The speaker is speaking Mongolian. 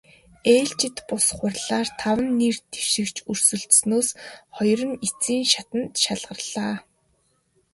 Ээлжит бус хурлаар таван нэр дэвшигч өрсөлдсөнөөс хоёр нь эцсийн шатанд шалгарлаа.